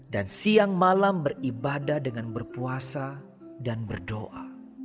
dan siang malam beribadah dengan berpuasa dan berdoa